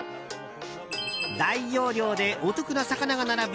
大容量でお得な魚が並ぶ